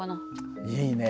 いいね。